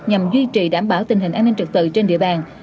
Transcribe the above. nhằm duy trì đảm bảo tình hình an ninh trực tự trên địa bàn